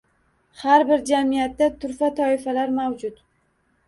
Har bir jamiyatda turfa toifalar mavjud.